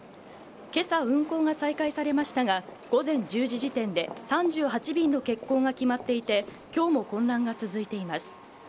けさ、運航が再開されましたが、午前１０時時点で３８便の欠航が決まっていて、きょうも混乱が続いています。